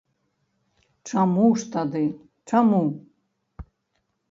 Чаму ж тады, чаму?